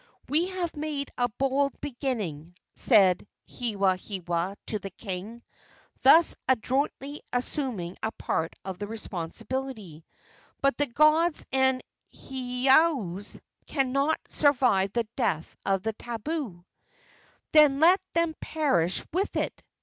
"We have made a bold beginning," said Hewahewa to the king, thus adroitly assuming a part of the responsibility; "but the gods and heiaus cannot survive the death of the tabu." "Then let them perish with it!"